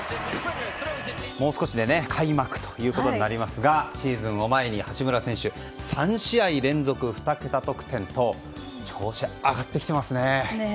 もう少しで開幕ということになりますがシーズンを前に八村選手、３試合連続２桁得点と調子、上がってきていますね。